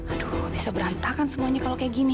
aduh bisa berantakan semuanya kalau kayak gini